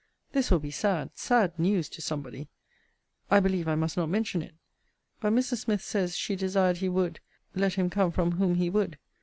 this will be sad, sad news to somebody! I believe I must not mention it. But Mrs. Smith says she desired he would, let him come from whom he would.